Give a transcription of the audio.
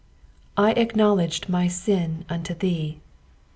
I aeknowUdged m;/ tin unto thee."